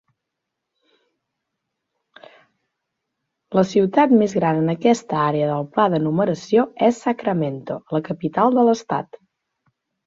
La ciutat més gran en aquesta àrea del pla de numeració és Sacramento, la capital de l'estat.